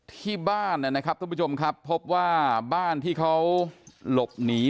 ที่บ้านนะครับครับมึงพบว่าบ้านที่เขาหลบหนี